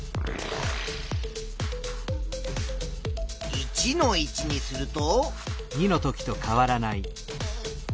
１の位置にすると。